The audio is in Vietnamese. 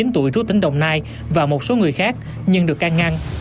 ba mươi chín tuổi trú tỉnh đồng nai và một số người khác nhưng được can ngăn